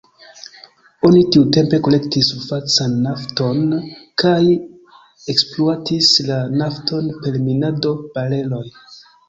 Oni tiutempe kolektis surfacan nafton kaj ekspluatis la nafton per minado, bareloj.